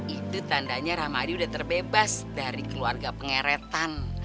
itu tandanya rahmadi udah terbebas dari keluarga pengheretan